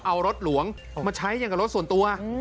เอารถหลวงมาใช้อย่างกับรถส่วนตัว